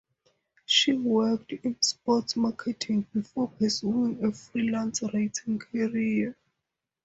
She worked in sports marketing before pursuing a freelance writing career.